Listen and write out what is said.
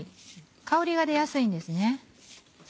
香りが出やすいんです。